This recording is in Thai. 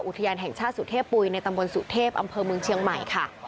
อุทยานแห่งชาติสุเทพปุ๋ยในตำบลสุเทพอำเภอเมืองเชียงใหม่ค่ะ